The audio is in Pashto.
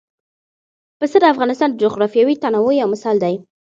پسه د افغانستان د جغرافیوي تنوع یو مثال دی.